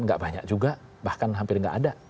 nggak banyak juga bahkan hampir nggak ada